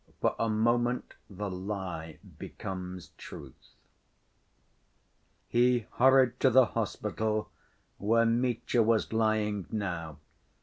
For A Moment The Lie Becomes Truth He hurried to the hospital where Mitya was lying now.